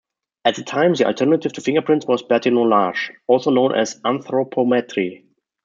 At the time, the alternative to fingerprints was Bertillonage, also known as Anthropometry.